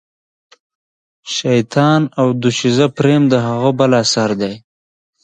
شیطان او دوشیزه پریم د هغه بل اثر دی.